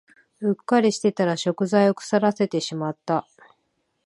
うっかりしてたら食材を腐らせてしまった